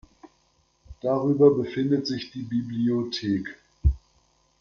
Darüber befindet sich die Bibliothek.